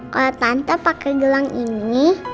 kalo tante pake gelang ini